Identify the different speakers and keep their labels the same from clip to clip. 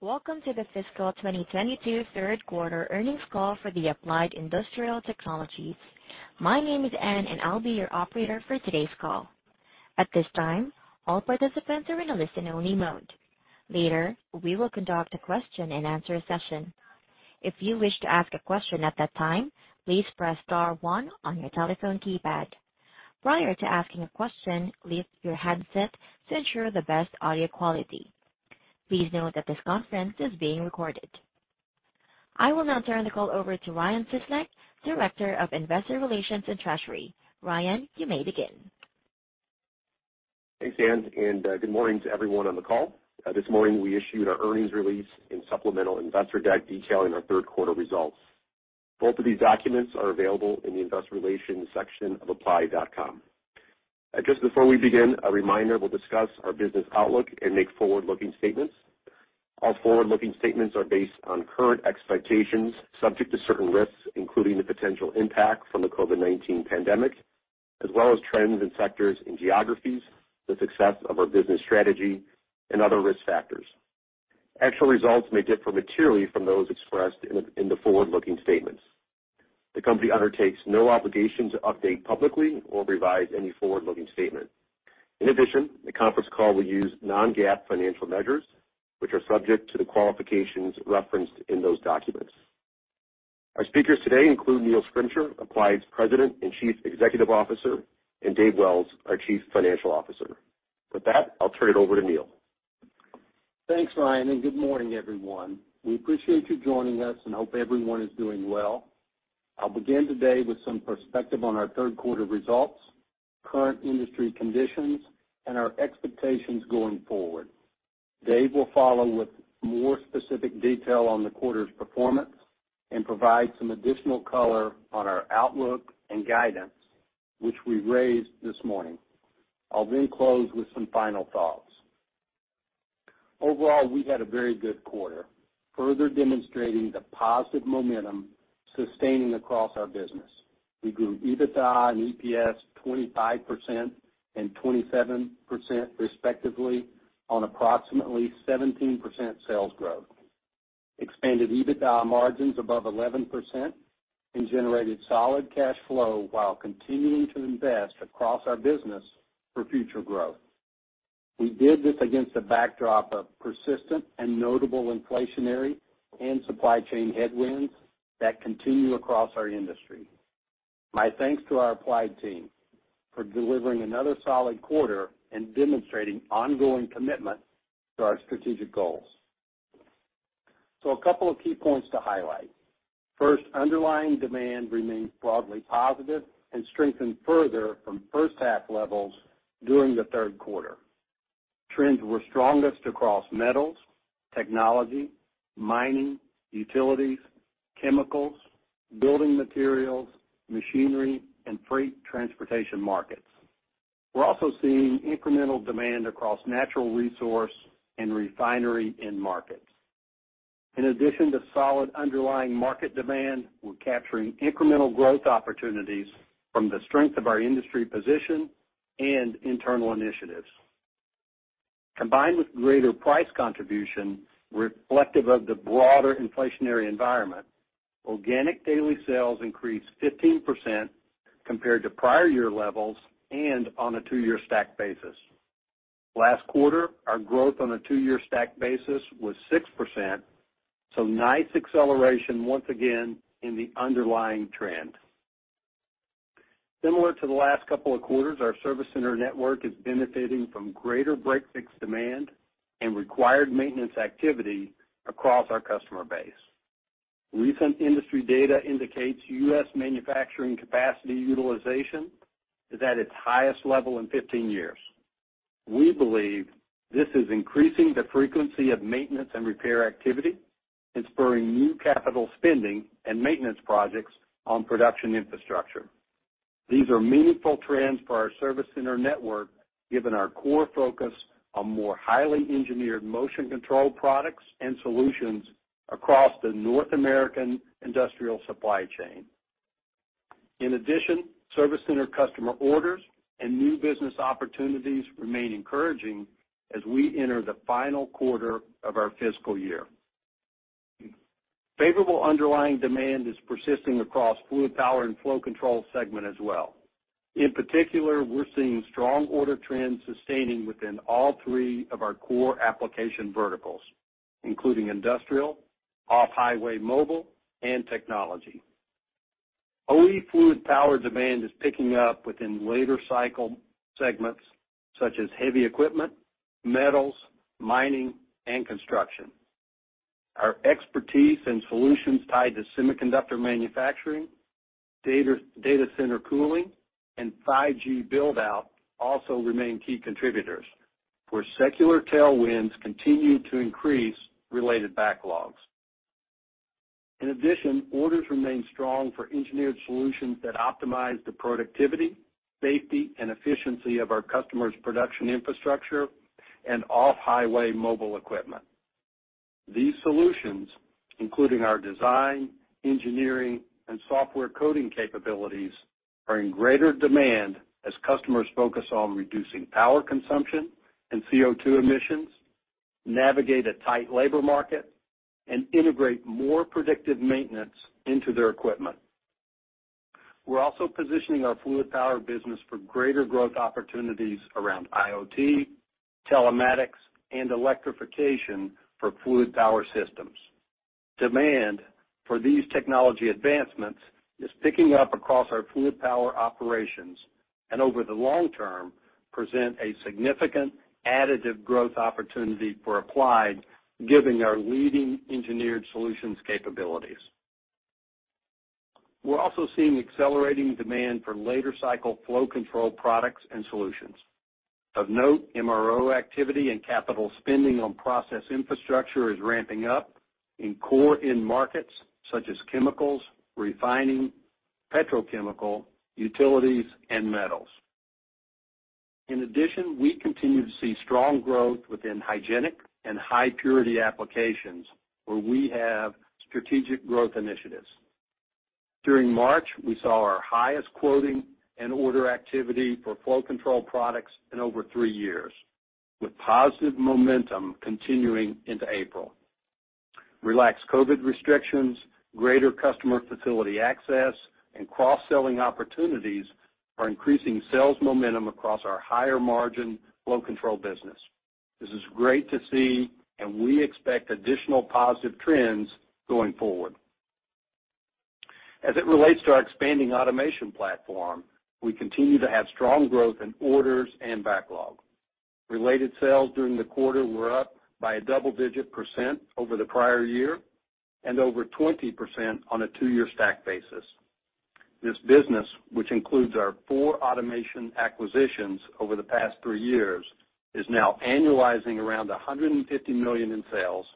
Speaker 1: Welcome to the fiscal 2022 third quarter earnings call for Applied Industrial Technologies. My name is Anne, and I'll be your operator for today's call. At this time, all participants are in a listen-only mode. Later, we will conduct a question-and-answer session. If you wish to ask a question at that time, please press star one on your telephone keypad. Prior to asking a question, mute your handset to ensure the best audio quality. Please note that this conference is being recorded. I will now turn the call over to Ryan Cieslak, Director, Investor Relations & Treasury. Ryan, you may begin.
Speaker 2: Thanks, Anne, and good morning to everyone on the call. This morning we issued our earnings release and supplemental investor deck detailing our third quarter results. Both of these documents are available in the investor relations section of applied.com. Just before we begin, a reminder, we'll discuss our business outlook and make forward-looking statements. All forward-looking statements are based on current expectations subject to certain risks, including the potential impact from the COVID-19 pandemic, as well as trends and sectors and geographies, the success of our business strategy and other risk factors. Actual results may differ materially from those expressed in the forward-looking statements. The company undertakes no obligation to update publicly or revise any forward-looking statement. In addition, the conference call will use non-GAAP financial measures, which are subject to the qualifications referenced in those documents. Our speakers today include Neil Schrimsher, Applied's President and Chief Executive Officer, and Dave Wells, our Chief Financial Officer. With that, I'll turn it over to Neil.
Speaker 3: Thanks, Ryan, and good morning, everyone. We appreciate you joining us and hope everyone is doing well. I'll begin today with some perspective on our third quarter results, current industry conditions, and our expectations going forward. Dave will follow with more specific detail on the quarter's performance and provide some additional color on our outlook and guidance, which we raised this morning. I'll then close with some final thoughts. Overall, we had a very good quarter, further demonstrating the positive momentum sustaining across our business. We grew EBITDA and EPS 25% and 27% respectively on approximately 17% sales growth, expanded EBITDA margins above 11% and generated solid cash flow while continuing to invest across our business for future growth. We did this against a backdrop of persistent and notable inflationary and supply chain headwinds that continue across our industry. My thanks to our Applied team for delivering another solid quarter and demonstrating ongoing commitment to our strategic goals. A couple of key points to highlight. First, underlying demand remains broadly positive and strengthened further from first half levels during the third quarter. Trends were strongest across metals, technology, mining, utilities, chemicals, building materials, machinery, and freight transportation markets. We're also seeing incremental demand across natural resource and refinery end markets. In addition to solid underlying market demand, we're capturing incremental growth opportunities from the strength of our industry position and internal initiatives. Combined with greater price contribution reflective of the broader inflationary environment, organic daily sales increased 15% compared to prior year levels and on a two-year stack basis. Last quarter, our growth on a two-year stack basis was 6%, so nice acceleration once again in the underlying trend. Similar to the last couple of quarters, our service center network is benefiting from greater break-fix demand and required maintenance activity across our customer base. Recent industry data indicates U.S. manufacturing capacity utilization is at its highest level in 15 years. We believe this is increasing the frequency of maintenance and repair activity and spurring new capital spending and maintenance projects on production infrastructure. These are meaningful trends for our service center network, given our core focus on more highly engineered motion control products and solutions across the North American industrial supply chain. In addition, service center customer orders and new business opportunities remain encouraging as we enter the final quarter of our fiscal year. Favorable underlying demand is persisting across fluid power and flow control segment as well. In particular, we're seeing strong order trends sustaining within all three of our core application verticals, including industrial, off-highway mobile, and technology. OE fluid power demand is picking up within later cycle segments such as heavy equipment, metals, mining, and construction. Our expertise and solutions tied to semiconductor manufacturing, data center cooling, and 5G build-out also remain key contributors, where secular tailwinds continue to increase related backlogs. In addition, orders remain strong for engineered solutions that optimize the productivity, safety, and efficiency of our customers' production infrastructure and off-highway mobile equipment. These solutions, including our design, engineering, and software coding capabilities, are in greater demand as customers focus on reducing power consumption and CO2 emissions, navigate a tight labor market, and integrate more predictive maintenance into their equipment. We're also positioning our fluid power business for greater growth opportunities around IoT, telematics, and electrification for fluid power systems. Demand for these technology advancements is picking up across our fluid power operations, and over the long term, present a significant additive growth opportunity for Applied, given our leading engineered solutions capabilities. We're also seeing accelerating demand for later cycle flow control products and solutions. Of note, MRO activity and capital spending on process infrastructure is ramping up in core end markets such as chemicals, refining, petrochemical, utilities, and metals. In addition, we continue to see strong growth within hygienic and high purity applications where we have strategic growth initiatives. During March, we saw our highest quoting and order activity for flow control products in over three years, with positive momentum continuing into April. Relaxed COVID restrictions, greater customer facility access, and cross-selling opportunities are increasing sales momentum across our higher-margin flow control business. This is great to see, and we expect additional positive trends going forward. As it relates to our expanding automation platform, we continue to have strong growth in orders and backlog. Related sales during the quarter were up by a double-digit % over the prior year and over 20% on a two-year stack basis. This business, which includes our 4 automation acquisitions over the past 3 years, is now annualizing around $150 million in sales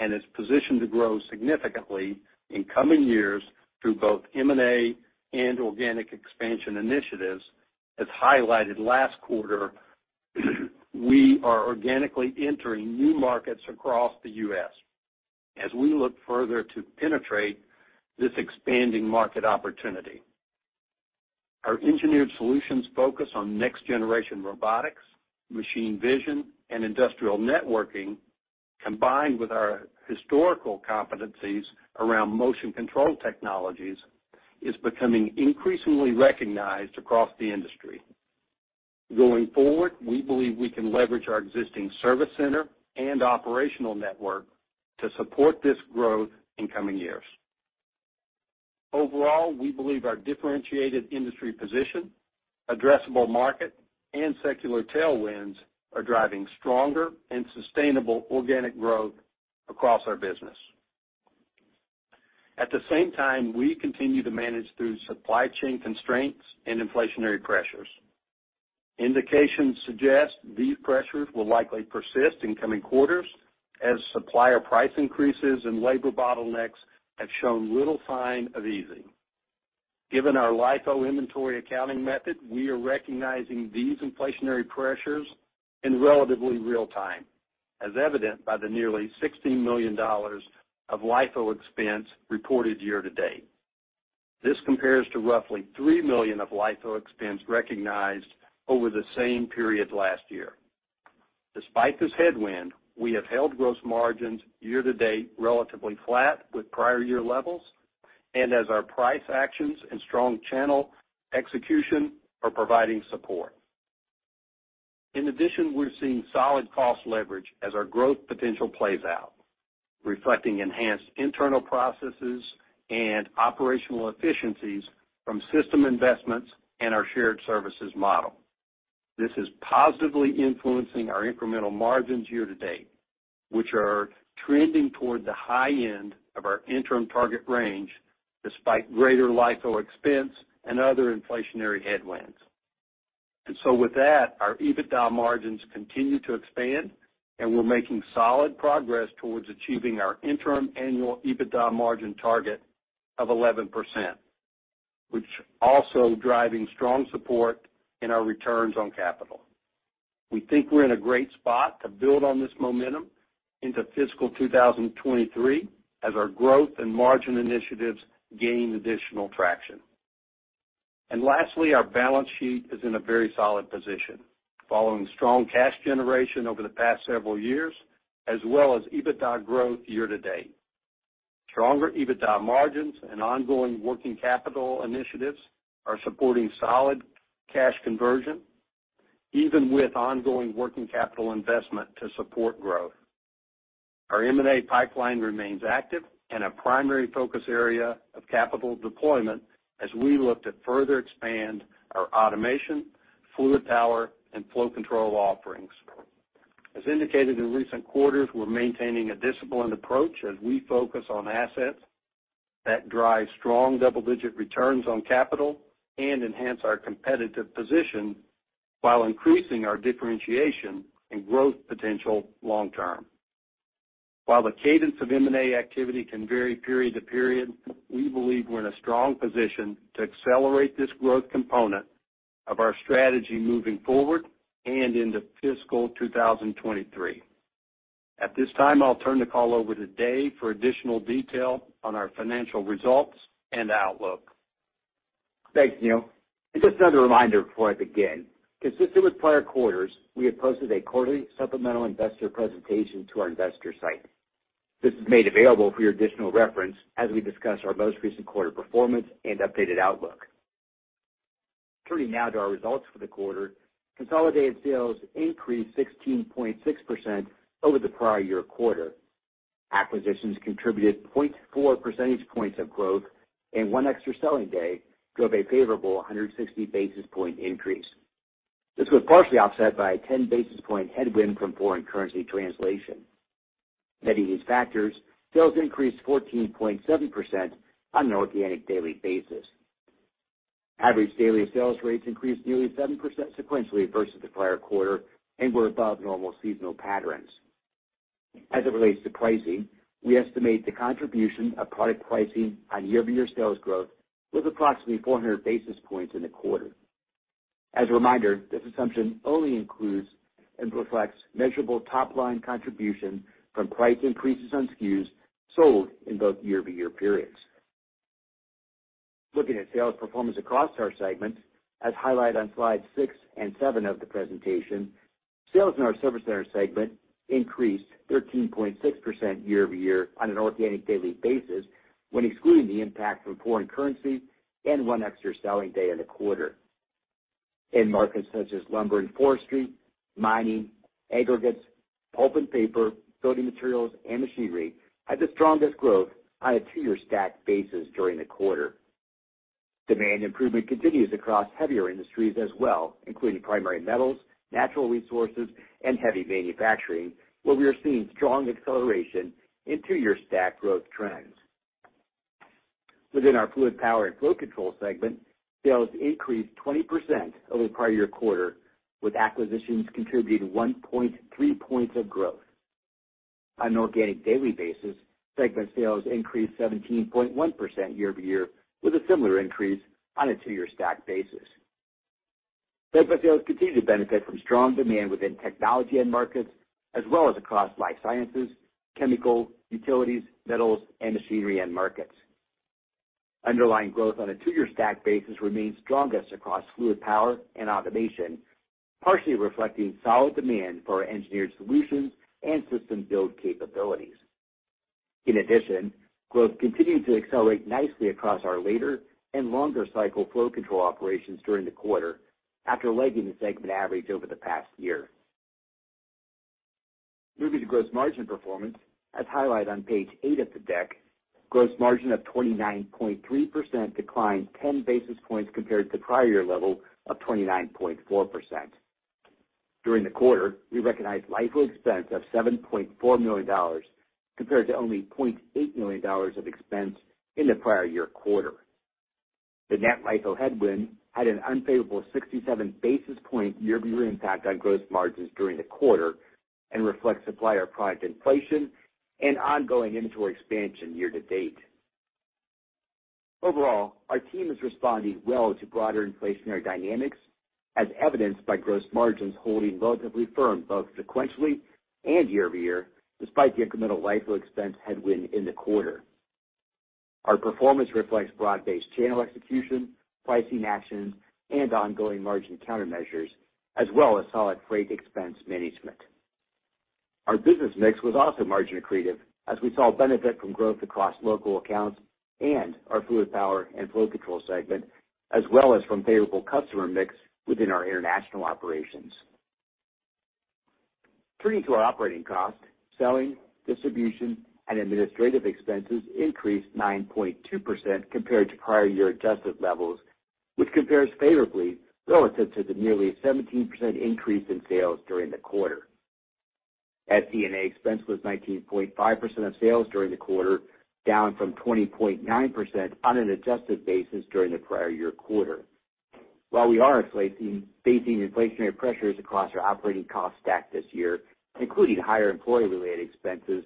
Speaker 3: and is positioned to grow significantly in coming years through both M&A and organic expansion initiatives. As highlighted last quarter, we are organically entering new markets across the U.S. as we look further to penetrate this expanding market opportunity. Our engineered solutions focus on next-generation robotics, machine vision, and industrial networking, combined with our historical competencies around motion control technologies, is becoming increasingly recognized across the industry. Going forward, we believe we can leverage our existing service center and operational network to support this growth in coming years. Overall, we believe our differentiated industry position, addressable market, and secular tailwinds are driving stronger and sustainable organic growth across our business. At the same time, we continue to manage through supply chain constraints and inflationary pressures. Indications suggest these pressures will likely persist in coming quarters as supplier price increases and labor bottlenecks have shown little sign of easing. Given our LIFO inventory accounting method, we are recognizing these inflationary pressures in relatively real time, as evident by the nearly $16 million of LIFO expense reported year to date. This compares to roughly $3 million of LIFO expense recognized over the same period last year. Despite this headwind, we have held gross margins year to date relatively flat with prior year levels, and as our price actions and strong channel execution are providing support. In addition, we're seeing solid cost leverage as our growth potential plays out, reflecting enhanced internal processes and operational efficiencies from system investments and our shared services model. This is positively influencing our incremental margins year to date, which are trending toward the high end of our interim target range despite greater LIFO expense and other inflationary headwinds. With that, our EBITDA margins continue to expand, and we're making solid progress towards achieving our interim annual EBITDA margin target of 11%, which also driving strong support in our returns on capital. We think we're in a great spot to build on this momentum into fiscal 2023 as our growth and margin initiatives gain additional traction. Lastly, our balance sheet is in a very solid position following strong cash generation over the past several years, as well as EBITDA growth year to date. Stronger EBITDA margins and ongoing working capital initiatives are supporting solid cash conversion, even with ongoing working capital investment to support growth. Our M&A pipeline remains active and a primary focus area of capital deployment as we look to further expand our automation, fluid power, and flow control offerings. As indicated in recent quarters, we're maintaining a disciplined approach as we focus on assets that drive strong double-digit returns on capital and enhance our competitive position while increasing our differentiation and growth potential long term. While the cadence of M&A activity can vary period to period, we believe we're in a strong position to accelerate this growth component of our strategy moving forward and into fiscal 2023. At this time, I'll turn the call over to Dave for additional detail on our financial results and outlook.
Speaker 4: Thanks, Neil. Just as a reminder before I begin, consistent with prior quarters, we have posted a quarterly supplemental investor presentation to our investor site. This is made available for your additional reference as we discuss our most recent quarter performance and updated outlook. Turning now to our results for the quarter. Consolidated sales increased 16.6% over the prior year quarter. Acquisitions contributed 0.4 percentage points of growth and one extra selling day drove a favorable 160 basis point increase. This was partially offset by a 10 basis point headwind from foreign currency translation. Netting these factors, sales increased 14.7% on an organic daily basis. Average daily sales rates increased nearly 7% sequentially versus the prior quarter and were above normal seasonal patterns. As it relates to pricing, we estimate the contribution of product pricing on year-over-year sales growth was approximately 400 basis points in the quarter. As a reminder, this assumption only includes and reflects measurable top line contribution from price increases on SKUs sold in both year-over-year periods. Looking at sales performance across our segments, as highlighted on slide 6 and 7 of the presentation, sales in our service center segment increased 13.6% year-over-year on an organic daily basis when excluding the impact from foreign currency and one extra selling day in the quarter. In markets such as lumber and forestry, mining, aggregates, pulp and paper, building materials, and machinery had the strongest growth on a two-year stack basis during the quarter. Demand improvement continues across heavier industries as well, including primary metals, natural resources, and heavy manufacturing, where we are seeing strong acceleration in two-year stack growth trends. Within our fluid power and flow control segment, sales increased 20% over the prior year quarter, with acquisitions contributing 1.3 points of growth. On an organic daily basis, segment sales increased 17.1% year-over-year, with a similar increase on a two-year stack basis. Segment sales continue to benefit from strong demand within technology end markets as well as across life sciences, chemical, utilities, metals, and machinery end markets. Underlying growth on a two-year stack basis remains strongest across fluid power and automation, partially reflecting solid demand for our engineered solutions and system build capabilities. In addition, growth continued to accelerate nicely across our later and longer cycle flow control operations during the quarter after lagging the segment average over the past year. Moving to gross margin performance, as highlighted on page 8 of the deck, gross margin of 29.3% declined 10 basis points compared to prior year level of 29.4%. During the quarter, we recognized LIFO expense of $7.4 million compared to only $0.8 million of expense in the prior year quarter. The net LIFO headwind had an unfavorable 67 basis points year-over-year impact on gross margins during the quarter and reflects supplier product inflation and ongoing inventory expansion year to date. Overall, our team is responding well to broader inflationary dynamics as evidenced by gross margins holding relatively firm both sequentially and year-over-year despite the incremental LIFO expense headwind in the quarter. Our performance reflects broad-based channel execution, pricing actions and ongoing margin countermeasures as well as solid freight expense management. Our business mix was also margin accretive as we saw benefit from growth across local accounts and our fluid power and flow control segment as well as from favorable customer mix within our international operations. Turning to our operating cost, selling, distribution and administrative expenses increased 9.2% compared to prior year adjusted levels, which compares favorably relative to the nearly 17% increase in sales during the quarter. SD&A expense was 19.5% of sales during the quarter, down from 20.9% on an adjusted basis during the prior year quarter. While we are facing inflationary pressures across our operating cost stack this year, including higher employee related expenses,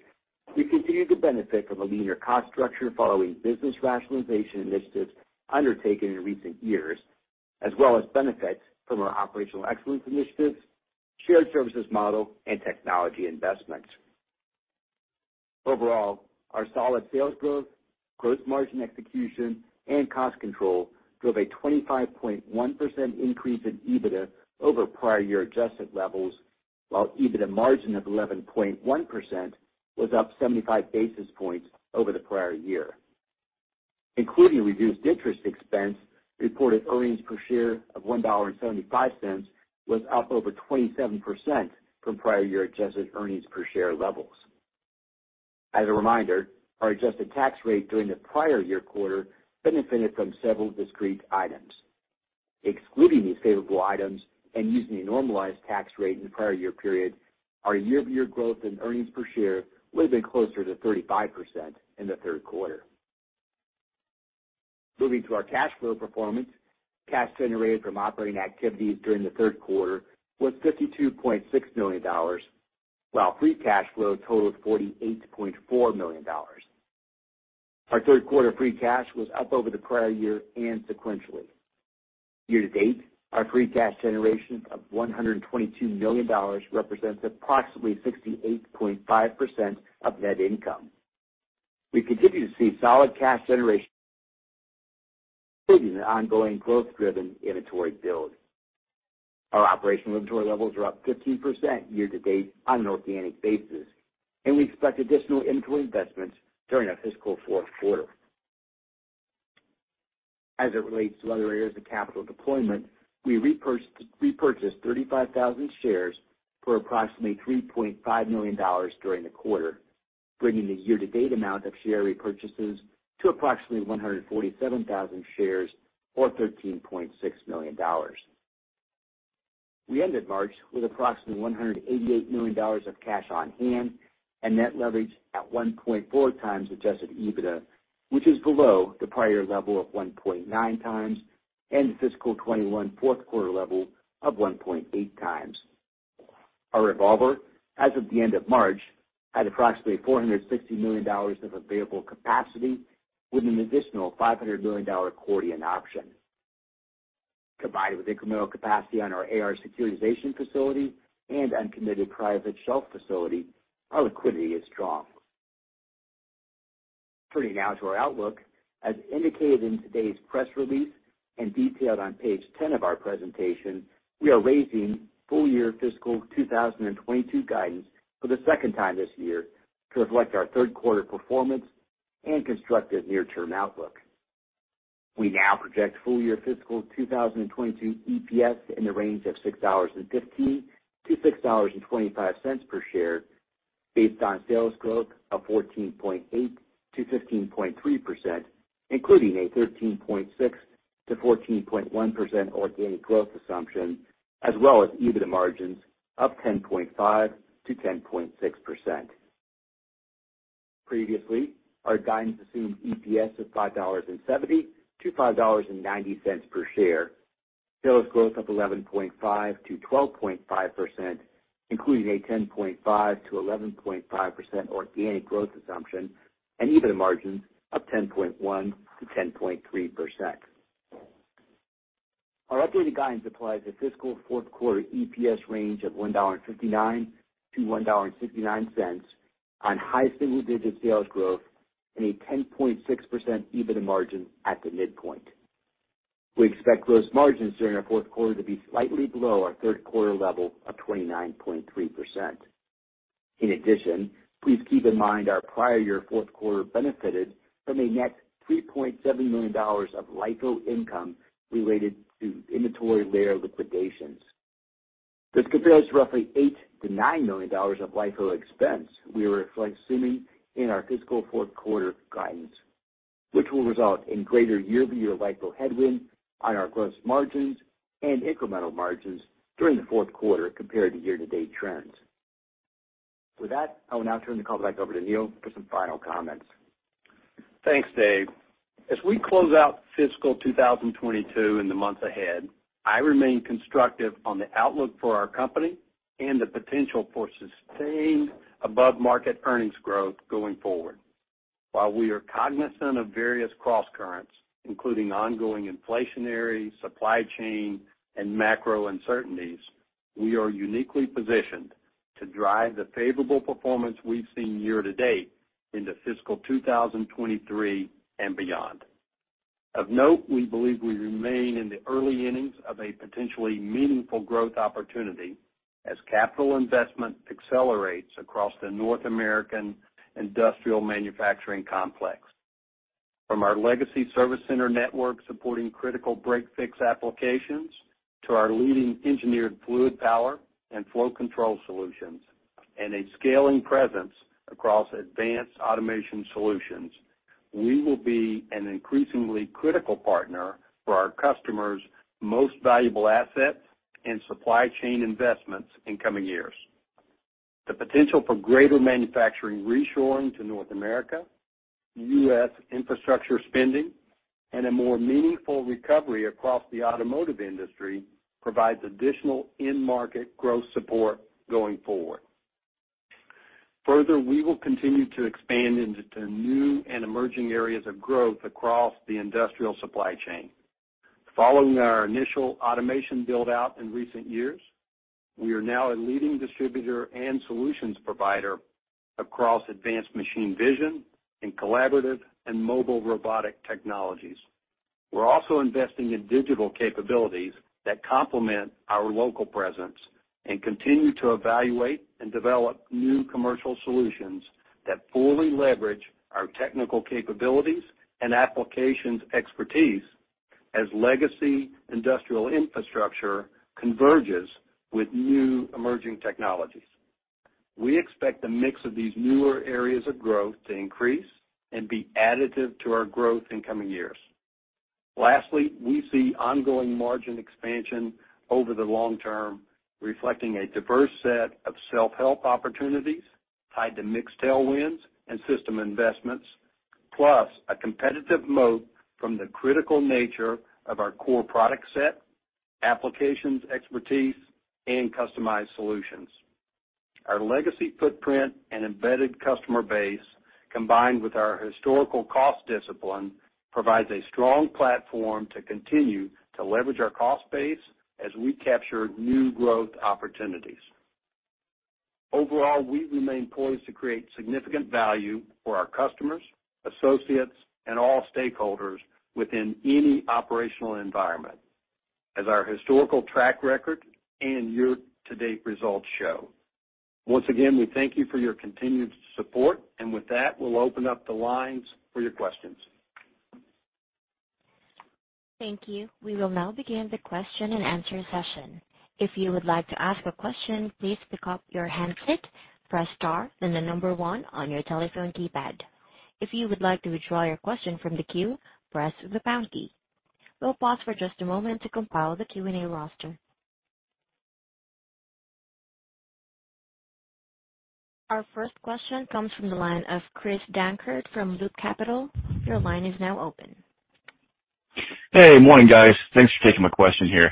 Speaker 4: we continue to benefit from a leaner cost structure following business rationalization initiatives undertaken in recent years as well as benefits from our operational excellence initiatives, shared services model and technology investments. Overall, our solid sales growth, gross margin execution and cost control drove a 25.1% increase in EBITDA over prior year adjusted levels, while EBITDA margin of 11.1% was up 75 basis points over the prior year. Including reduced interest expense, reported earnings per share of $1.75 was up over 27% from prior year adjusted earnings per share levels. As a reminder, our adjusted tax rate during the prior year quarter benefited from several discrete items. Excluding these favorable items and using a normalized tax rate in the prior year period, our year-over-year growth in earnings per share would have been closer to 35% in the third quarter. Moving to our cash flow performance. Cash generated from operating activities during the third quarter was $52.6 million while free cash flow totaled $48.4 million. Our third quarter free cash was up over the prior year and sequentially. Year-to-date, our free cash generation of $122 million represents approximately 68.5% of net income. We continue to see solid cash generation including the ongoing growth-driven inventory build. Our operational inventory levels are up 15% year-to-date on an organic basis, and we expect additional inventory investments during our fiscal fourth quarter. As it relates to other areas of capital deployment, we repurchased 35,000 shares for approximately $3.5 million during the quarter, bringing the year to date amount of share repurchases to approximately 147,000 shares, or $13.6 million. We ended March with approximately $188 million of cash on hand and net leverage at 1.4 times adjusted EBITDA, which is below the prior level of 1.9 times and the fiscal 2021 fourth quarter level of 1.8 times. Our revolver, as of the end of March, had approximately $460 million of available capacity with an additional $500 million accordion option. Combined with incremental capacity on our AR securitization facility and uncommitted private shelf facility, our liquidity is strong. Turning now to our outlook. As indicated in today's press release and detailed on page 10 of our presentation, we are raising full year fiscal 2022 guidance for the second time this year to reflect our third quarter performance and constructive near-term outlook. We now project full year fiscal 2022 EPS in the range of $6.15-$6.25 per share based on sales growth of 14.8%-15.3%, including a 13.6%-14.1% organic growth assumption as well as EBITDA margins of 10.5%-10.6%. Previously, our guidance assumed EPS of $5.70-$5.90 per share, sales growth of 11.5%-12.5%, including a 10.5%-11.5% organic growth assumption, and EBITDA margins of 10.1%-10.3%. Our updated guidance applies a fiscal fourth quarter EPS range of $1.59-$1.69 on high single-digit sales growth and a 10.6% EBITDA margin at the midpoint. We expect gross margins during our fourth quarter to be slightly below our third quarter level of 29.3%. In addition, please keep in mind our prior year fourth quarter benefited from a net $3.7 million of LIFO income related to inventory layer liquidations. This compares to roughly $8 million-$9 million of LIFO expense we are assuming in our fiscal fourth quarter guidance, which will result in greater year-over-year LIFO headwind on our gross margins and incremental margins during the fourth quarter compared to year-to-date trends. With that, I will now turn the call back over to Neil for some final comments.
Speaker 3: Thanks, Dave. As we close out fiscal 2022 in the months ahead, I remain constructive on the outlook for our company and the potential for sustained above-market earnings growth going forward. While we are cognizant of various crosscurrents, including ongoing inflationary, supply chain, and macro uncertainties, we are uniquely positioned to drive the favorable performance we've seen year to date into fiscal 2023 and beyond. Of note, we believe we remain in the early innings of a potentially meaningful growth opportunity as capital investment accelerates across the North American industrial manufacturing complex. From our legacy service center network supporting critical break-fix applications to our leading engineered fluid power and flow control solutions and a scaling presence across advanced automation solutions, we will be an increasingly critical partner for our customers' most valuable assets and supply chain investments in coming years. The potential for greater manufacturing reshoring to North America, U.S. infrastructure spending, and a more meaningful recovery across the automotive industry provides additional end market growth support going forward. Further, we will continue to expand into the new and emerging areas of growth across the industrial supply chain. Following our initial automation build-out in recent years, we are now a leading distributor and solutions provider across advanced machine vision and collaborative and mobile robotic technologies. We're also investing in digital capabilities that complement our local presence and continue to evaluate and develop new commercial solutions that fully leverage our technical capabilities and applications expertise as legacy industrial infrastructure converges with new emerging technologies. We expect the mix of these newer areas of growth to increase and be additive to our growth in coming years. Lastly, we see ongoing margin expansion over the long term, reflecting a diverse set of self-help opportunities tied to mix tailwinds and system investments, plus a competitive moat from the critical nature of our core product set, applications expertise, and customized solutions.
Speaker 4: Our legacy footprint and embedded customer base, combined with our historical cost discipline, provides a strong platform to continue to leverage our cost base as we capture new growth opportunities. Overall, we remain poised to create significant value for our customers, associates, and all stakeholders within any operational environment as our historical track record and year-to-date results show. Once again, we thank you for your continued support. With that, we'll open up the lines for your questions.
Speaker 1: Thank you. We will now begin the question-and-answer session. If you would like to ask a question, please pick up your handset, press star then the number one on your telephone keypad. If you would like to withdraw your question from the queue, press the pound key. We'll pause for just a moment to compile the Q&A roster. Our first question comes from the line of Chris Dankert from Loop Capital. Your line is now open.
Speaker 5: Hey, morning, guys. Thanks for taking my question here.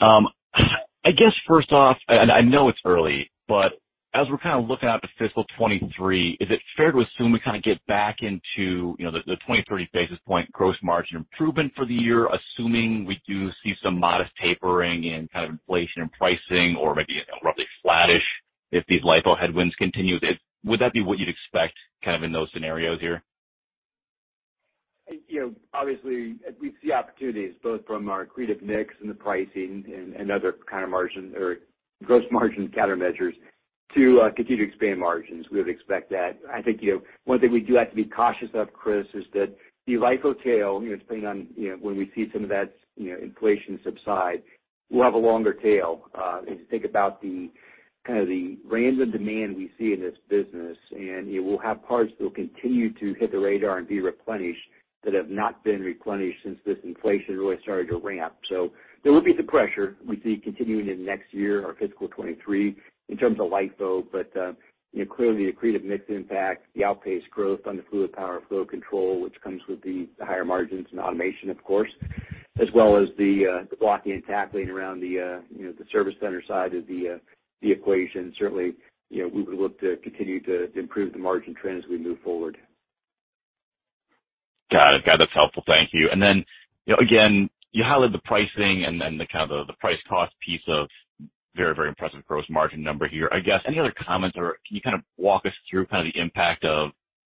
Speaker 5: I guess first off, and I know it's early, but as we're kind of looking out to fiscal 2023, is it fair to assume we kind of get back into, you know, the 20-30 basis point gross margin improvement for the year, assuming we do see some modest tapering in kind of inflation and pricing or maybe roughly flattish if these LIFO headwinds continue? Would that be what you'd expect kind of in those scenarios here?
Speaker 4: You know, obviously, we see opportunities both from our accretive mix and the pricing and other countermeasures to continue to expand margins. We would expect that. I think, you know, one thing we do have to be cautious of, Chris, is that the LIFO tail, you know, depending on, you know, when we see some of that, you know, inflation subside, we'll have a longer tail. If you think about the kind of random demand we see in this business, and you will have parts that will continue to hit the radar and be replenished that have not been replenished since this inflation really started to ramp. There will be some pressure we see continuing into next year or fiscal 2023 in terms of LIFO. you know, clearly the accretive mix impact, the outpaced growth on the fluid power and flow control, which comes with the higher margins and automation of course, as well as the blocking and tackling around the, you know, the Service Center side of the equation. Certainly, you know, we would look to continue to improve the margin trend as we move forward.
Speaker 5: Got it. That's helpful. Thank you. Then, you know, again, you highlighted the pricing and then the kind of the price cost piece of very, very impressive gross margin number here. I guess, any other comments or can you kind of walk us through kind of the impact of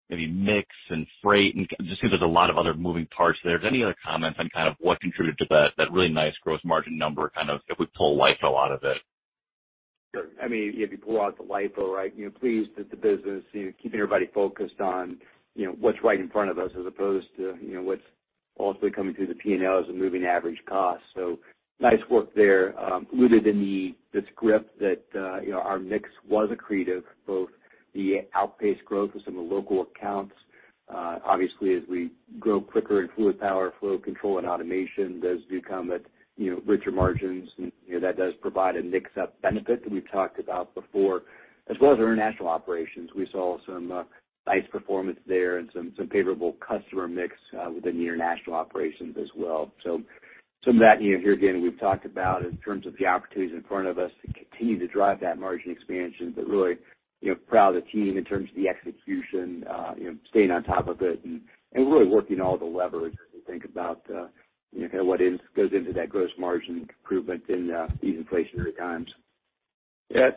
Speaker 5: maybe mix and freight and, just because there's a lot of other moving parts there. Is there any other comments on kind of what contributed to that really nice gross margin number kind of if we pull LIFO out of it?
Speaker 4: Sure. I mean, if you pull out the LIFO, right, you know, pleased with the business, you know, keeping everybody focused on, you know, what's right in front of us as opposed to, you know, what's ultimately coming through the P&L as a moving average cost. Nice work there. Rooted in the script that, you know, our mix was accretive, both the outpaced growth with some of the local accounts. Obviously, as we grow quicker in fluid power, flow control and automation, those become, you know, richer margins. You know, that does provide a mix benefit that we've talked about before. As well as our international operations. We saw some nice performance there and some favorable customer mix within the international operations as well. Some of that, you know, here again, we've talked about in terms of the opportunities in front of us to continue to drive that margin expansion. Really, you know, proud of the team in terms of the execution, you know, staying on top of it and really working all the levers as we think about, you know, what goes into that gross margin improvement in these inflationary times.
Speaker 3: Yeah.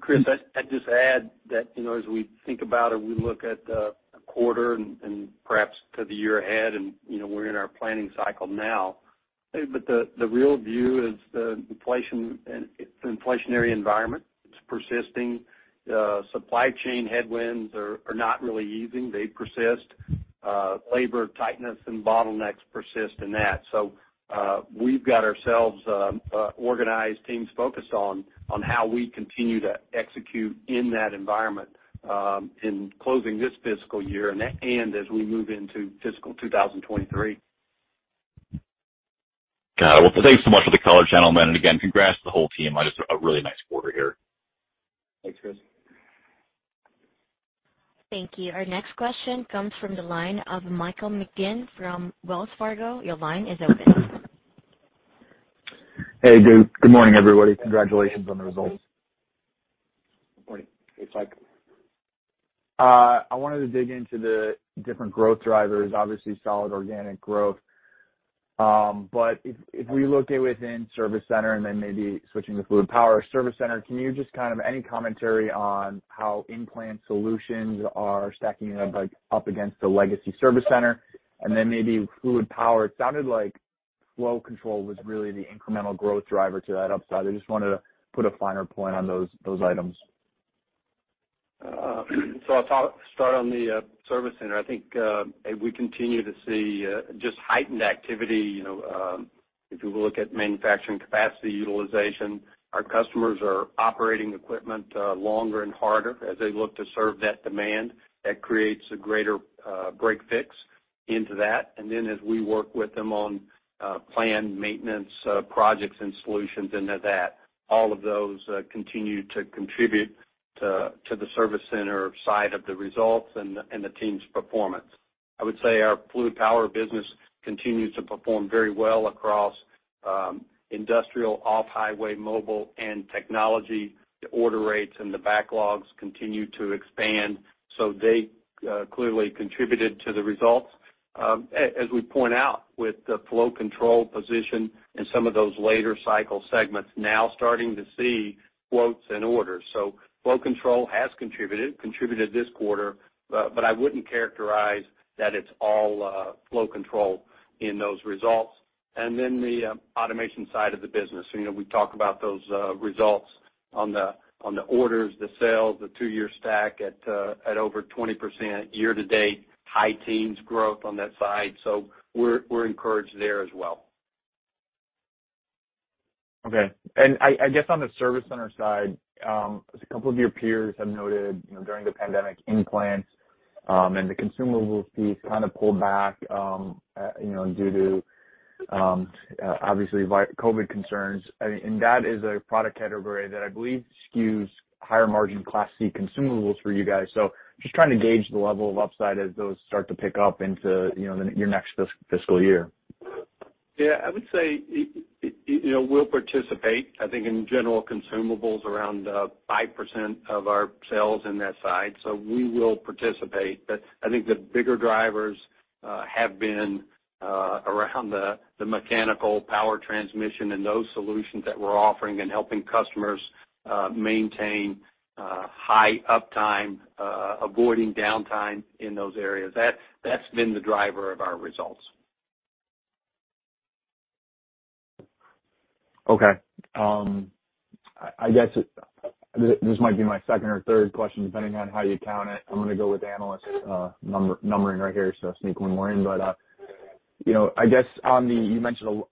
Speaker 3: Christopher, I'd just add that, you know, as we think about or we look at the quarter and perhaps to the year ahead, and, you know, we're in our planning cycle now. The real view is the inflation and its inflationary environment. It's persisting. Supply chain headwinds are not really easing. They persist. Labor tightness and bottlenecks persist in that. We've got ourselves organized, teams focused on how we continue to execute in that environment, in closing this fiscal year, and as we move into fiscal 2023.
Speaker 5: Got it. Well, thanks so much for the color, gentlemen. Again, congrats to the whole team on just a really nice quarter here.
Speaker 4: Thanks, Chris.
Speaker 1: Thank you. Our next question comes from the line of Michael McGinn from Wells Fargo. Your line is open.
Speaker 6: Hey, good morning, everybody. Congratulations on the results.
Speaker 4: Good morning. Hey, Mike.
Speaker 6: I wanted to dig into the different growth drivers, obviously solid organic growth. If we look within Service Center and then maybe switching to fluid power Service Center, can you just kind of any commentary on how in-plant solutions are stacking up, like, up against the legacy Service Center? Fluid power, it sounded like flow control was really the incremental growth driver to that upside. I just wanted to put a finer point on those items.
Speaker 4: I'll start on the Service Center. I think we continue to see just heightened activity. You know, if we look at manufacturing capacity utilization, our customers are operating equipment longer and harder as they look to serve that demand. That creates a greater break fix into that. As we work with them on planned maintenance projects and solutions into that, all of those continue to contribute to the Service Center side of the results and the team's performance.
Speaker 3: I would say our fluid power business continues to perform very well across industrial off-highway mobile and technology. The order rates and the backlogs continue to expand, so they clearly contributed to the results. As we point out with the flow control position in some of those later cycle segments now starting to see quotes and orders. Flow control has contributed this quarter, but I wouldn't characterize that it's all flow control in those results. The automation side of the business. We talk about those results on the orders, the sales, the two-year stack at over 20% year to date, high teens% growth on that side. We're encouraged there as well.
Speaker 6: Okay. I guess on the service center side, as a couple of your peers have noted, you know, during the pandemic impacts and the consumables kind of pulled back, you know, due to obviously COVID concerns. I mean, that is a product category that I believe skews higher margin Class C consumables for you guys. Just trying to gauge the level of upside as those start to pick up into, you know, your next fiscal year.
Speaker 3: Yeah, I would say it, you know, we'll participate. I think in general consumables around 5% of our sales in that side, so we will participate. I think the bigger drivers have been around the mechanical power transmission and those solutions that we're offering and helping customers maintain high uptime avoiding downtime in those areas. That's been the driver of our results.
Speaker 6: Okay. This might be my second or third question, depending on how you count it. I'm gonna go with analyst numbering right here, so sneak one more in. You know, I guess you mentioned an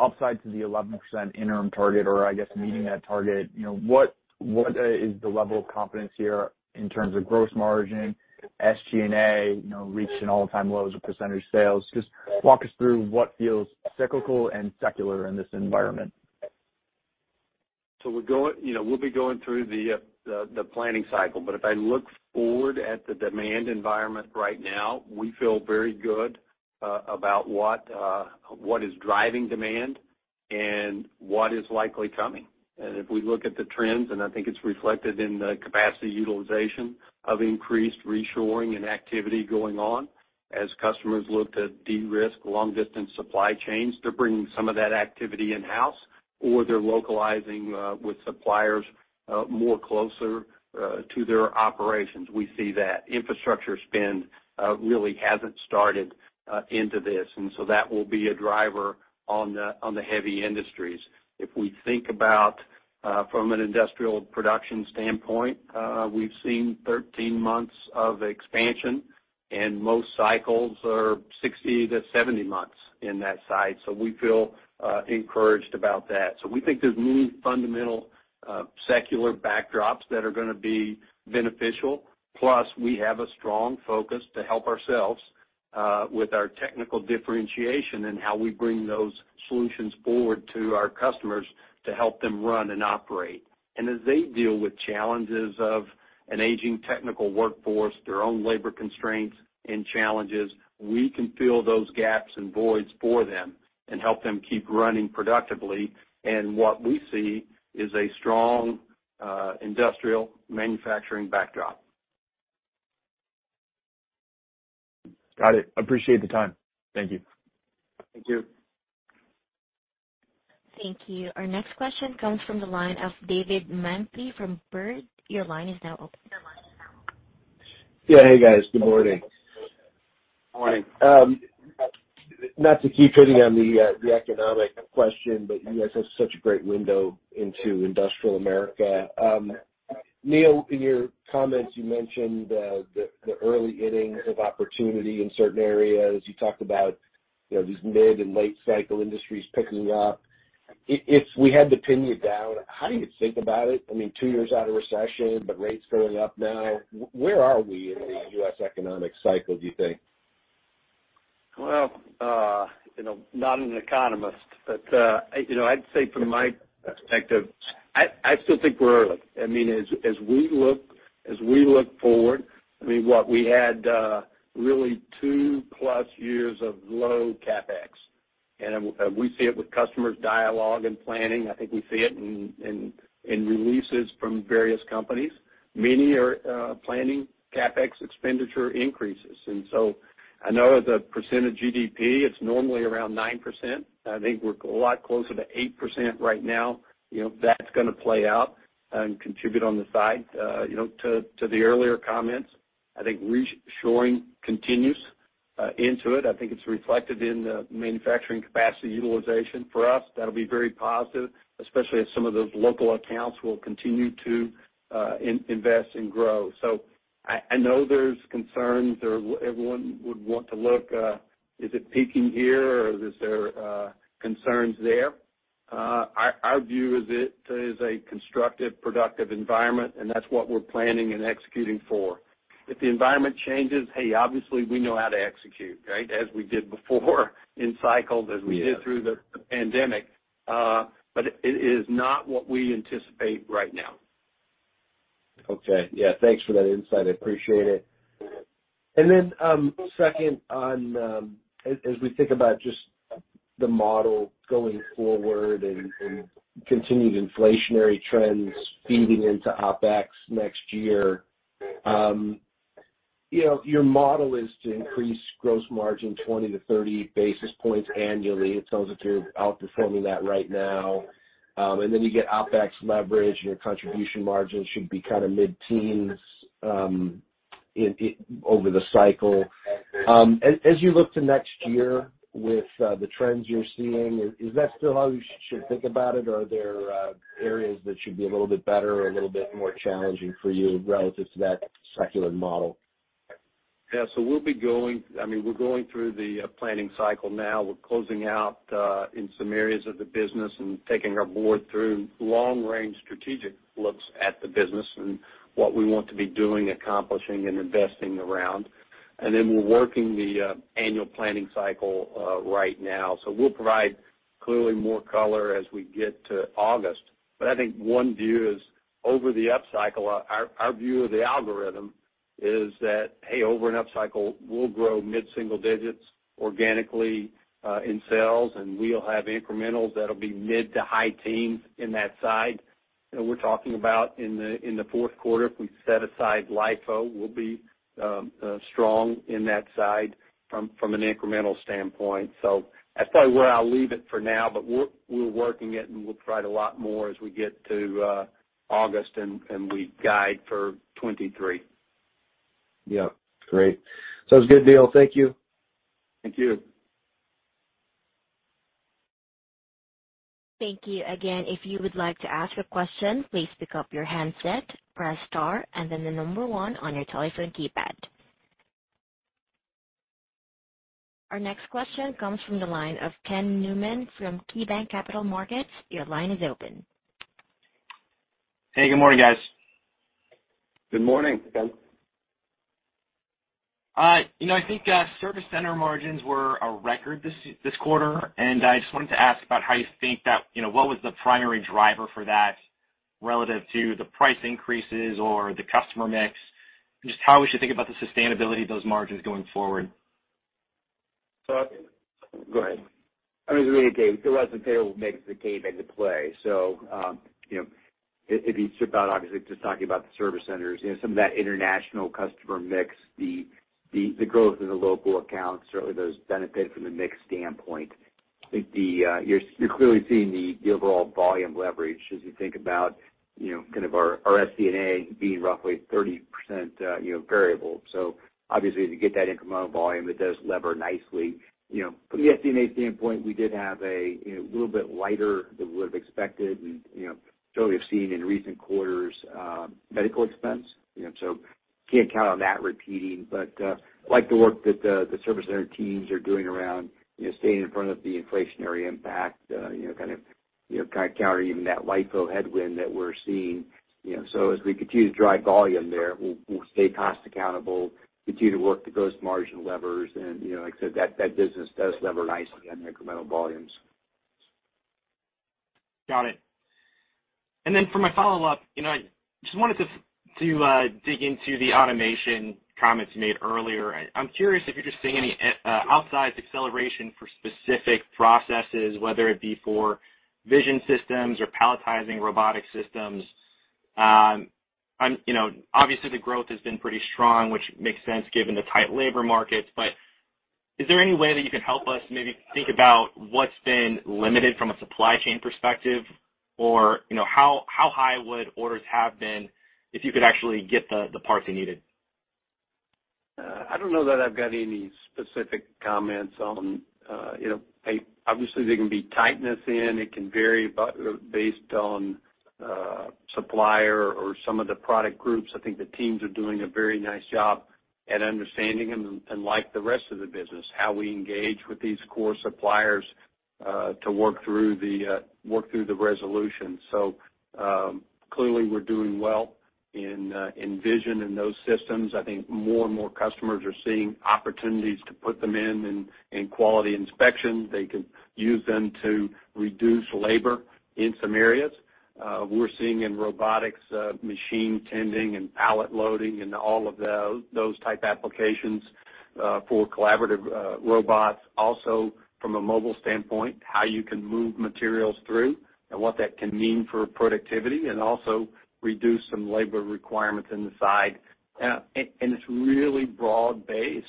Speaker 6: upside to the 11% interim target or I guess meeting that target. You know, what is the level of confidence here in terms of gross margin, SG&A, you know, reaching all-time lows of percentage sales? Just walk us through what feels cyclical and secular in this environment.
Speaker 3: You know, we'll be going through the planning cycle. If I look forward at the demand environment right now, we feel very good about what is driving demand and what is likely coming. If we look at the trends, I think it's reflected in the capacity utilization of increased reshoring and activity going on, as customers looked at de-risk long-distance supply chains, they're bringing some of that activity in-house, or they're localizing with suppliers more closer to their operations. We see that infrastructure spend really hasn't started into this. That will be a driver on the heavy industries. If we think about from an industrial production standpoint, we've seen 13 months of expansion, and most cycles are 60-70 months in that side. We feel encouraged about that. We think there's many fundamental secular backdrops that are gonna be beneficial. Plus, we have a strong focus to help ourselves with our technical differentiation and how we bring those solutions forward to our customers to help them run and operate. As they deal with challenges of an aging technical workforce, their own labor constraints and challenges, we can fill those gaps and voids for them and help them keep running productively. What we see is a strong industrial manufacturing backdrop.
Speaker 6: Got it. Appreciate the time. Thank you.
Speaker 3: Thank you.
Speaker 1: Thank you. Our next question comes from the line of David Manthey from Baird. Your line is now open.
Speaker 7: Yeah. Hey, guys. Good morning.
Speaker 3: Morning.
Speaker 7: Not to keep hitting on the economic question, but you guys have such a great window into industrial America. Neil, in your comments, you mentioned the early innings of opportunity in certain areas. You talked about, you know, these mid and late cycle industries picking up. If we had to pin you down, how do you think about it? I mean, two years out of recession, but rates going up now. Where are we in the U.S. economic cycle, do you think?
Speaker 3: Well, you know, not an economist, but, you know, I'd say from my perspective, I still think we're early. I mean, as we look forward, I mean, what we had, really 2+ years of low CapEx. We see it with customers' dialogue and planning. I think we see it in releases from various companies. Many are planning CapEx expenditure increases. I know the percent of GDP, it's normally around 9%. I think we're a lot closer to 8% right now. You know, that's gonna play out and contribute on the side. You know, to the earlier comments, I think reshoring continues into it. I think it's reflected in the manufacturing capacity utilization. For us, that'll be very positive, especially as some of those local accounts will continue to invest and grow. I know there's concerns, or everyone would want to look, is it peaking here, or is there concerns there? Our view is it is a constructive, productive environment, and that's what we're planning and executing for. If the environment changes, hey, obviously, we know how to execute, right? As we did before in cycle, as we did through the pandemic. It is not what we anticipate right now.
Speaker 7: Okay. Yeah, thanks for that insight. I appreciate it. Second on, as we think about just the model going forward and continued inflationary trends feeding into OpEx next year. You know, your model is to increase gross margin 20-30 basis points annually. It sounds like you're outperforming that right now. Then you get OpEx leverage, and your contribution margin should be kind of mid-teens over the cycle. As you look to next year with the trends you're seeing, is that still how you should think about it? Or are there areas that should be a little bit better or a little bit more challenging for you relative to that secular model?
Speaker 3: Yeah. I mean, we're going through the planning cycle now. We're closing out in some areas of the business and taking our board through long-range strategic looks at the business and what we want to be doing, accomplishing, and investing around. Then we're working the annual planning cycle right now. We'll provide clearly more color as we get to August. I think one view is over the upcycle, our view of the algorithm is that, hey, over an upcycle, we'll grow mid-single digits organically in sales, and we'll have incrementals that'll be mid to high teens in that side. You know, we're talking about in the fourth quarter, if we set aside LIFO, we'll be strong in that side from an incremental standpoint. That's probably where I'll leave it for now. We're working it, and we'll provide a lot more as we get to August, and we guide for 2023.
Speaker 7: Yep. Great. Sounds good, Bill. Thank you.
Speaker 3: Thank you.
Speaker 1: Thank you. Again, if you would like to ask a question, please pick up your handset, press star, and then the number one on your telephone keypad. Our next question comes from the line of Ken Newman from KeyBanc Capital Markets. Your line is open.
Speaker 8: Hey, good morning, guys.
Speaker 3: Good morning, Ken.
Speaker 8: You know, I think service center margins were a record this quarter. I just wanted to ask about how you think that, you know, what was the primary driver for that relative to the price increases or the customer mix, and just how we should think about the sustainability of those margins going forward.
Speaker 3: Go ahead.
Speaker 4: I mean, Dave, there was a favorable mix that came into play. You know, if you strip out, obviously, just talking about the service centers, you know, some of that international customer mix, the growth in the local accounts, certainly those benefit from the mix standpoint. I think you're clearly seeing the overall volume leverage as you think about, you know, kind of our SD&A being roughly 30%, you know, variable. Obviously, as you get that incremental volume, it does lever nicely. You know, from the SD&A standpoint, we did have a little bit lighter than we would've expected and, you know, certainly have seen in recent quarters, medical expense, you know, so can't count on that repeating. I like the work that the service center teams are doing around, you know, staying in front of the inflationary impact, you know, kind of, you know, kind of countering that LIFO headwind that we're seeing, you know. As we continue to drive volume there, we'll stay cost accountable, continue to work the gross margin levers and, you know, like I said, that business does lever nicely on incremental volumes.
Speaker 8: Got it. For my follow-up, you know, I just wanted to dig into the automation comments you made earlier. I'm curious if you're just seeing any outsized acceleration for specific processes, whether it be for vision systems or palletizing robotic systems. You know, obviously the growth has been pretty strong, which makes sense given the tight labor markets, but is there any way that you can help us maybe think about what's been limited from a supply chain perspective? Or, you know, how high would orders have been if you could actually get the parts they needed?
Speaker 3: I don't know that I've got any specific comments on. Obviously, there can be tightness in. It can vary based on supplier or some of the product groups. I think the teams are doing a very nice job at understanding and like the rest of the business, how we engage with these core suppliers to work through the resolution. Clearly we're doing well in vision and those systems. I think more and more customers are seeing opportunities to put them in quality inspection. They can use them to reduce labor in some areas. We're seeing in robotics machine tending and pallet loading and all of those type applications for collaborative robots. Also, from a mobile standpoint, how you can move materials through and what that can mean for productivity and also reduce some labor requirements in the side. And it's really broad-based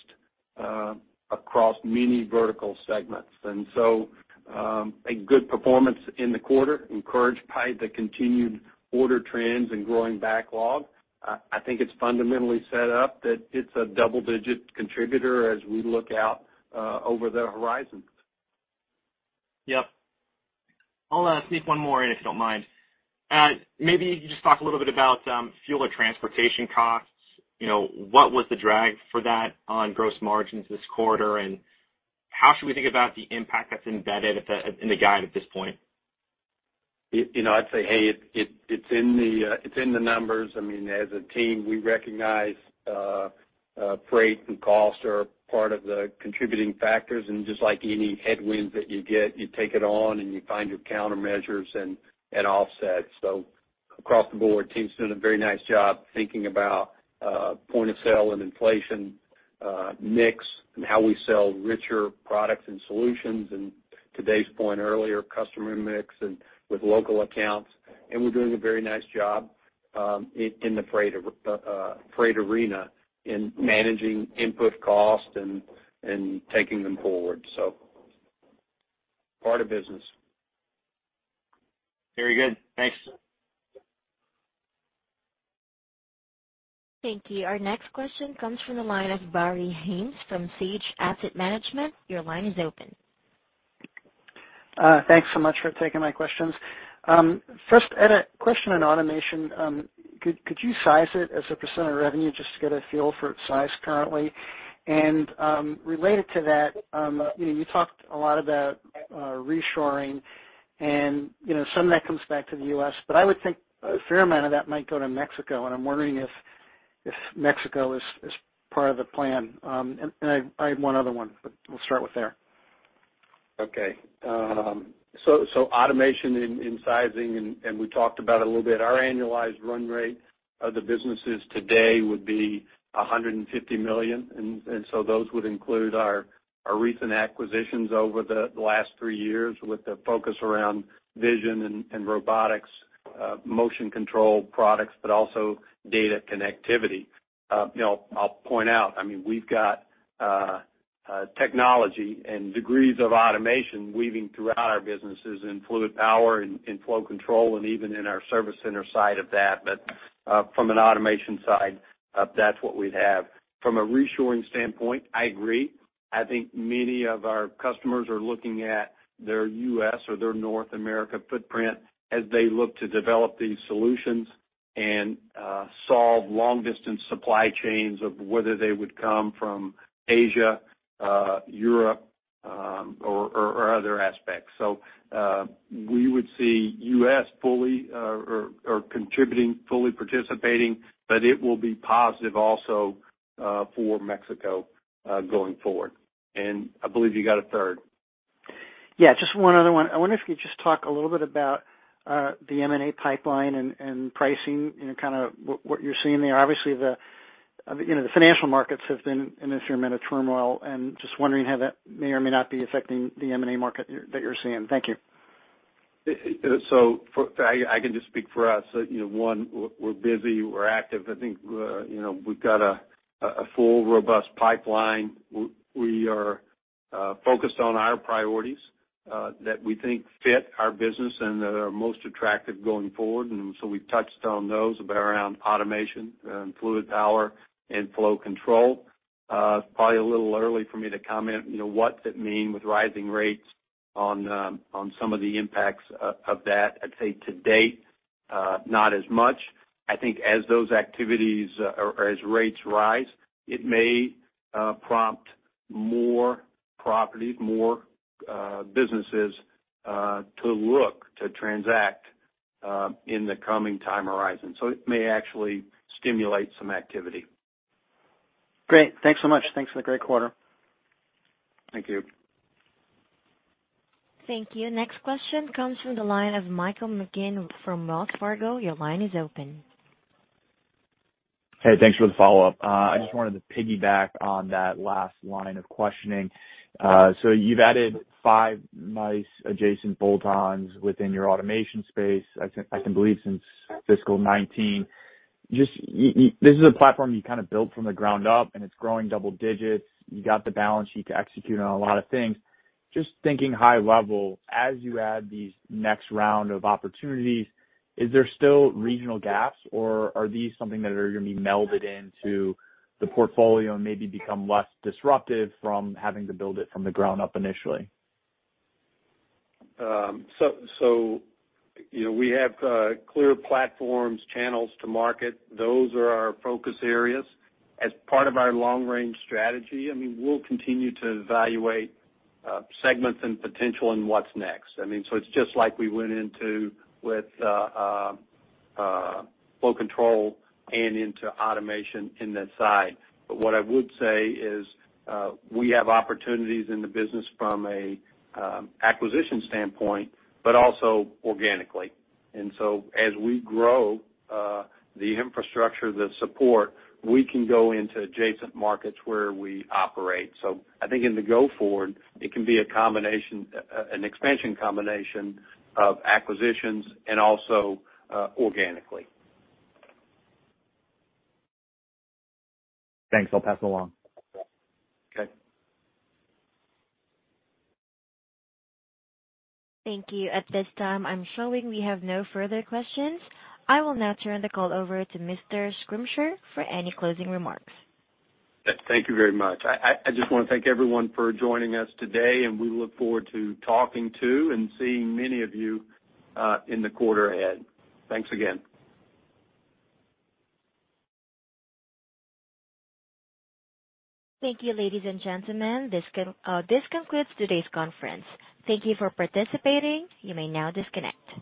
Speaker 3: across many vertical segments. A good performance in the quarter encouraged by the continued order trends and growing backlog. I think it's fundamentally set up that it's a double-digit contributor as we look out over the horizon.
Speaker 8: Yep. I'll sneak one more in, if you don't mind. Maybe you could just talk a little bit about fuel or transportation costs. You know, what was the drag for that on gross margins this quarter, and how should we think about the impact that's embedded in the guide at this point?
Speaker 3: You know, I'd say, hey, it's in the numbers. I mean, as a team, we recognize freight and cost are part of the contributing factors. Just like any headwind that you get, you take it on and you find your countermeasures and offset. Across the board, team's doing a very nice job thinking about point of sale and inflation, mix and how we sell richer products and solutions. Today's point earlier, customer mix and with local accounts. We're doing a very nice job in the freight arena in managing input costs and taking them forward. Part of business.
Speaker 8: Very good. Thanks.
Speaker 1: Thank you. Our next question comes from the line of Barry Haimes from Sage Asset Management. Your line is open.
Speaker 9: Thanks so much for taking my questions. First, Ed, a question on automation. Could you size it as a % of revenue just to get a feel for its size currently? Related to that, you know, you talked a lot about reshoring and, you know, some of that comes back to the U.S., but I would think a fair amount of that might go to Mexico, and I'm wondering if Mexico is part of the plan. I have one other one, but we'll start with there.
Speaker 3: Okay. So automation in sizing, and we talked about a little bit, our annualized run rate of the businesses today would be $150 million. So those would include our recent acquisitions over the last three years with the focus around vision and robotics, motion control products, but also data connectivity. You know, I'll point out, I mean, we've got technology and degrees of automation weaving throughout our businesses in fluid power and in flow control and even in our service center side of that. From an automation side, that's what we'd have. From a reshoring standpoint, I agree. I think many of our customers are looking at their U.S. or their North America footprint as they look to develop these solutions and solve long distance supply chains of whether they would come from Asia, Europe, or other aspects. We would see U.S. fully contributing, fully participating, but it will be positive also for Mexico going forward. I believe you got a third.
Speaker 9: Yeah, just one other one. I wonder if you could just talk a little bit about the M&A pipeline and pricing, you know, kind of what you're seeing there. Obviously, the you know, the financial markets have been in a fair amount of turmoil, and just wondering how that may or may not be affecting the M&A market that you're seeing. Thank you.
Speaker 3: I can just speak for us. One, we're busy. We're active. I think we've got a full, robust pipeline. We are focused on our priorities that we think fit our business and that are most attractive going forward. We've touched on those around automation and fluid power and flow control. Probably a little early for me to comment what does it mean with rising rates on some of the impacts of that. I'd say to date, not as much. I think as those activities or as rates rise, it may prompt more properties, more businesses to look to transact in the coming time horizon. It may actually stimulate some activity.
Speaker 9: Great. Thanks so much. Thanks for the great quarter.
Speaker 3: Thank you.
Speaker 1: Thank you. Next question comes from the line of Michael McGinn from Wells Fargo. Your line is open.
Speaker 6: Hey, thanks for the follow-up. I just wanted to piggyback on that last line of questioning. So you've added five nice adjacent bolt-ons within your automation space. I think it's believable since fiscal 2019. This is a platform you kind of built from the ground up, and it's growing double digits. You got the balance sheet to execute on a lot of things. Just thinking high level, as you add these next round of opportunities, is there still regional gaps, or are these something that are gonna be melded into the portfolio and maybe become less disruptive from having to build it from the ground up initially?
Speaker 3: You know, we have clear platforms, channels to market. Those are our focus areas. As part of our long range strategy, I mean, we'll continue to evaluate segments and potential and what's next. I mean, it's just like we went into with flow control and into automation in that side. What I would say is, we have opportunities in the business from an acquisition standpoint, but also organically. As we grow, the infrastructure, the support, we can go into adjacent markets where we operate. I think going forward, it can be a combination, an expansion combination of acquisitions and also organically.
Speaker 6: Thanks. I'll pass it along.
Speaker 3: Okay.
Speaker 1: Thank you. At this time, I'm showing we have no further questions. I will now turn the call over to Mr. Schrimsher for any closing remarks.
Speaker 3: Thank you very much. I just wanna thank everyone for joining us today, and we look forward to talking to and seeing many of you in the quarter ahead. Thanks again.
Speaker 1: Thank you, ladies and gentlemen. This concludes today's conference. Thank you for participating. You may now disconnect.